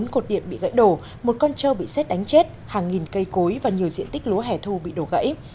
bốn cột điện bị gãy đổ một con trâu bị xét đánh chết hàng nghìn cây cối và nhiều diện tích lúa hẻ thu bị đổ gãy